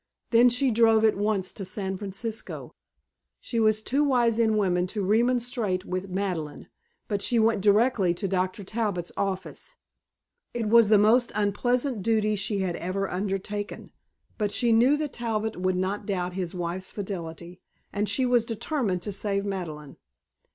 Then she drove at once to San Francisco. She was too wise in women to remonstrate with Madeleine, but she went directly to Dr. Talbot's office. It was the most unpleasant duty she had ever undertaken, but she knew that Talbot would not doubt his wife's fidelity, and she was determined to save Madeleine.